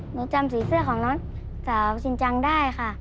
หนูจำสีเสื้อของน้องสาวชินจังได้ค่ะ